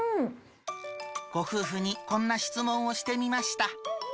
ご夫婦にこんな質問をしてみました。